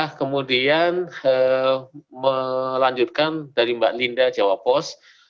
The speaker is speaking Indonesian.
dan kemudian melanjutkan dari mbak linda jawapos